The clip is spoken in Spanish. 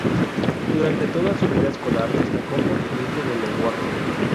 Durante toda su vida escolar destacó por su uso del lenguaje.